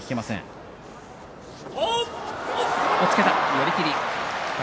寄り切り宝